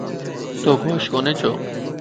توک ھوش ڪوني ڇو؟